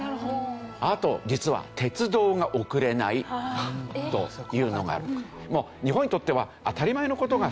あと実は鉄道が遅れないというのがある。